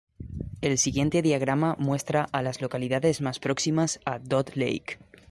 El siguiente diagrama muestra a las localidades más próximas a Dot Lake.